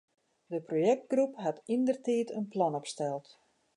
De projektgroep hat yndertiid in plan opsteld.